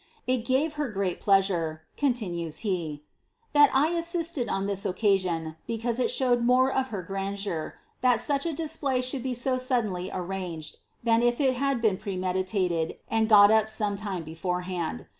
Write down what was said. It gave her great pleasure,'' continues be, ^ that I assisted on this occasion, because it showed more of her fnndeur, that such a display should be so suddenly arranged, than if it had been premeditated, and got up some time beforehand.